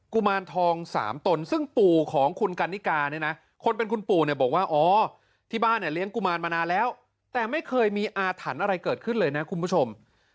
กุมารทองสามตนซึ่งปู่ของคุณกันนิกาเนี่ยนะคนเป็นคุณปู่เนี่ยบอกว่าอ๋อที่บ้านเนี่ยเลี้ยงกุมารมานานแล้วแต่ไม่เคยมีอาถรรพ์อะไรเกิดขึ้นเลยนะคุณผู้ชม